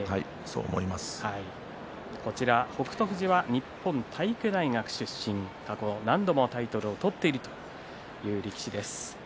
富士は日本体育大学出身何度もタイトルを取っている力士です。